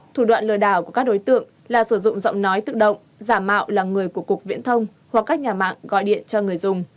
thủ đoạn lừa đảo của các đối tượng là sử dụng giọng nói tự động giả mạo là người của cục viễn thông hoặc các nhà mạng gọi điện cho người dùng